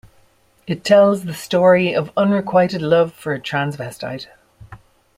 It tells the story of unrequited love for a transvestite.